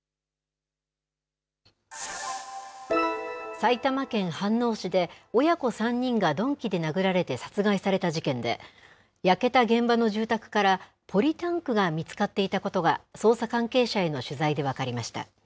埼玉県飯能市で、親子３人が鈍器で殴られて殺害された事件で、焼けた現場の住宅から、ポリタンクが見つかっていたことが、捜査関係者への取材で分かりました。